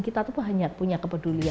kita itu banyak punya kepedulian